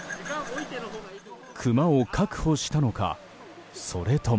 クマを確保したのかそれとも。